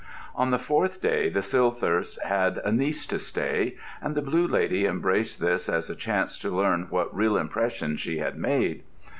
On the fourth day the Silthirsks had a niece to stay, and the Blue Lady embraced this as a chance to learn what real impression she had made.